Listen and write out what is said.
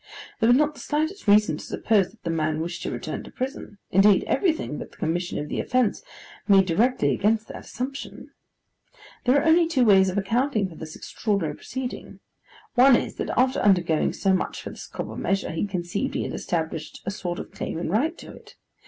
There was not the slightest reason to suppose that the man wished to return to prison: indeed everything, but the commission of the offence, made directly against that assumption. There are only two ways of accounting for this extraordinary proceeding. One is, that after undergoing so much for this copper measure he conceived he had established a sort of claim and right to it.